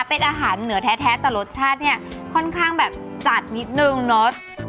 เป็นอาหารเหนือแท้แต่รสชาติเนี่ยค่อนข้างแบบจัดนิดนึงเนอะ